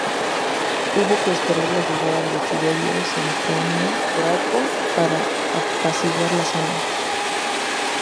Hubo que esperar la llegada de Tiberio Sempronio Graco para apaciguar la zona.